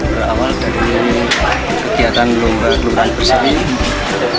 berawal dari kegiatan lomba lomba berselfie